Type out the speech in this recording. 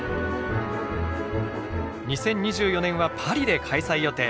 ２０２４年はパリで開催予定。